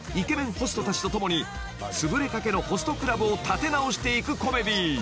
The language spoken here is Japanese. ホストたちと共につぶれかけのホストクラブを立て直していくコメディー］